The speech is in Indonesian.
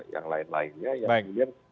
yang lain lainnya yang